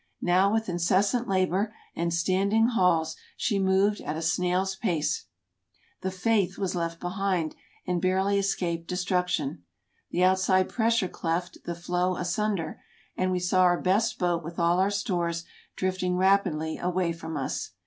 Now with incessant labor and standing hauls she moved at a snail's pace. The '' Faith '' was left behind and barely escaped de struction. The outside pressure cleft the floe asunder, and we saw our best boat with all our stores drifting rapidly away from us.